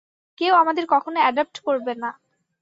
কেউ আমাদের কখনও এডপ্ট করবে না।